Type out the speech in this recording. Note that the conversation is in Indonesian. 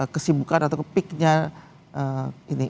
kesibukan atau ke piknya ini